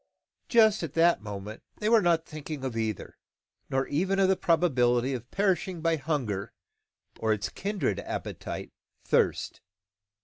Just at that moment they were not thinking of either, nor even of the probability of perishing by hunger or its kindred appetite, thirst.